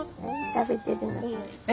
食べてるね。